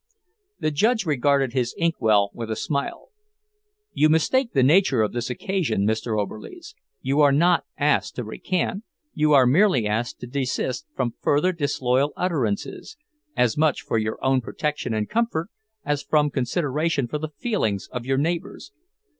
The judge regarded his inkwell with a smile. "You mistake the nature of this occasion, Mr. Oberlies. You are not asked to recant. You are merely asked to desist from further disloyal utterances, as much for your own protection and comfort as from consideration for the feelings of your neighbours.